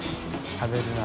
食べるな。